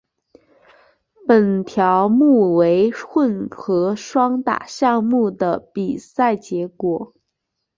本条目为混合双打项目的比赛结果。